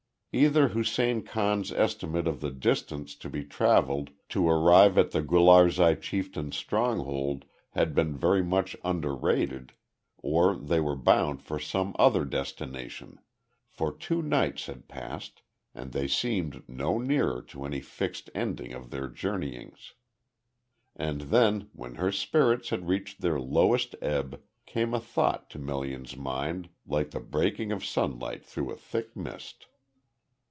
Either Hussein Khan's estimate of the distance to be travelled to arrive at the Gularzai chieftain's stronghold had been very much under rated, or they were bound for some other destination, for two nights had passed, and they seemed no nearer to any fixed ending of their journeyings. And then when her spirits had reached their lowest ebb, came a thought to Melian's mind like the breaking of sunlight through a thick mist.